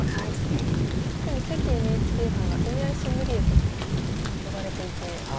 特に関ＮＨＫ杯はＡＩソムリエとも呼ばれていて。